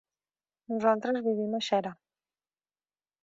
Nosaltres vivim a Xera.